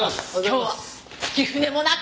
今日は月舟もなか！